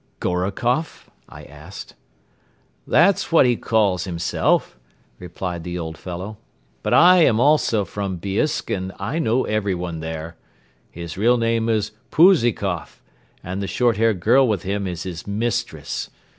"Gorokoff?" I asked. "That's what he calls himself," replied the old fellow; "but I am also from Biisk and I know everyone there. His real name is Pouzikoff and the short haired girl with him is his mistress.